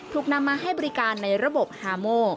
ถูกนำมาให้บริการในระบบฮาโม